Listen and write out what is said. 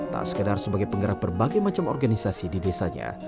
tak sekedar sebagai penggerak berbagai macam organisasi di desanya